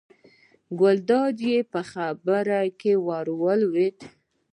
ګلداد یې په خبرو کې ور ولوېد.